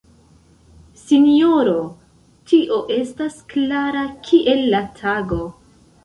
Sinjoro, tio estas klara kiel la tago!